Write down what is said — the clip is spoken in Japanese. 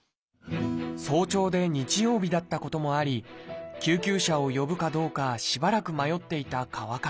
早朝で日曜日だったこともあり救急車を呼ぶかどうかしばらく迷っていた川勝さん。